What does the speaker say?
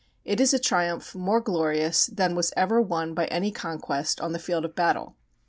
It is a triumph more glorious than was ever won by any conquest on the field of battle.